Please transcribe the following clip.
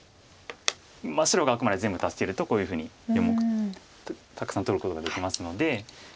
白があくまで全部助けるとこういうふうにたくさん取ることができますので。